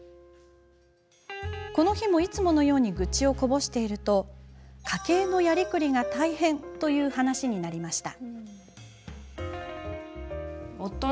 この日も、いつものように愚痴をこぼしていると家計のやりくりが大変という話になりました。